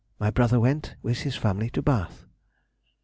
My brother went, with his family, to Bath.